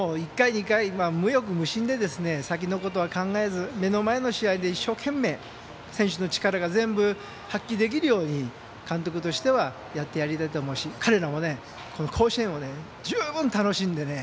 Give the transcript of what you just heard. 無欲無心で先のことは考えず目の前の試合で一生懸命選手の力が発揮できるように監督としてはやってやりたいと思うし彼らも甲子園を十分楽しんでね。